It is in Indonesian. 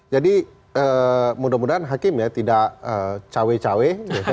jadi mudah mudahan hakim ya tidak cawe cawe